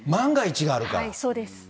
そうです。